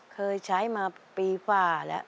เคยใช้มาปีกว่าแล้ว